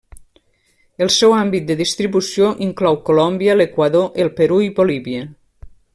El seu àmbit de distribució inclou Colòmbia, l'Equador, el Perú i Bolívia.